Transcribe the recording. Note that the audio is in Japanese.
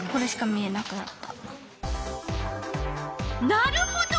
なるほど。